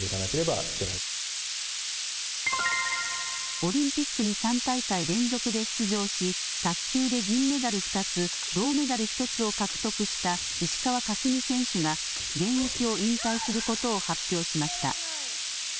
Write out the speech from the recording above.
オリンピックに３大会連続で出場し、卓球で銀メダル２つ、銅メダル１つを獲得した石川佳純選手が、現役を引退することを発表しました。